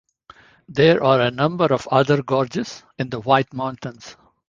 There are a number of other gorges in the White Mountains.